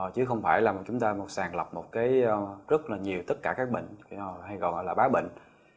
chứ không phải là chúng ta sàn lọc rất là nhiều tất cả các bệnh hay gọi là bá bệnh